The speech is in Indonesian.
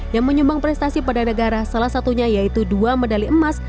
yang menyumbang prestasi pada negara salah satunya yaitu dua medali emas